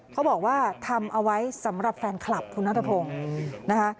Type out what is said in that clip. เขาบอกว่าทำเอาไว้สำหรับแฟนคลับคุณนัทพงศ์นะคะ